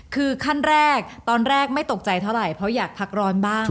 คือขั้นแรกตอนแรกไม่ตกใจเท่าไหร่เพราะอยากพักร้อนบ้าง